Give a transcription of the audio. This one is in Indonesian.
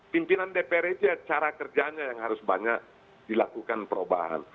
pimpinan dpr itu cara kerjanya yang harus banyak dilakukan perubahan